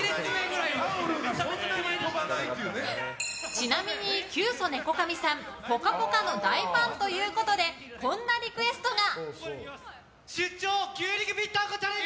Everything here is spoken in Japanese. ちなみにキュウソネコカミさん「ぽかぽか」の大ファンということでこんなリクエストが。